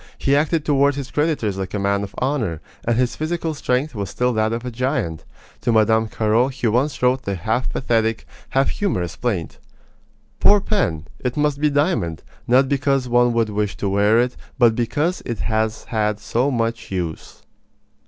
He acted toward his creditors like a man of honor, and his physical strength was still that of a giant. To Mme. Carraud he once wrote the half pathetic, half humorous plaint: Poor pen! It must be diamond, not because one would wish to wear it, but because it has had so much use!